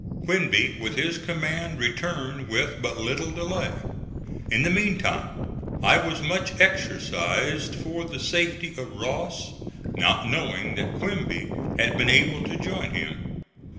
Quinby, with his command, returned with but little delay. In the meantime I was much exercised for the safety of Ross, not knowing that Quinby had been able to join him.